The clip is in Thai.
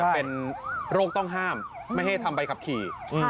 เป็นโรคต้องห้ามไม่ให้ทำใบขับขี่